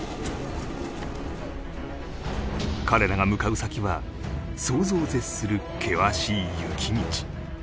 彼らが向かう先は想像を絶する険しい雪道